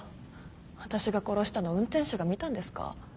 私が殺したのを運転手が見たんですか？